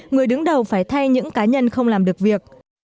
người đứng đầu phải thay những cá nhân không làm được việc